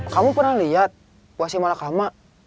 kamu pernah liat buah si malakama